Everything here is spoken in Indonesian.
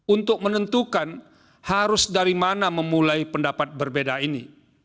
untuk menentukan harus dari mana memulai pendapat berbeda ini